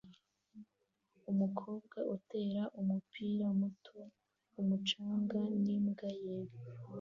Umukobwa utera umupira muto ku mucanga n'imbwa ye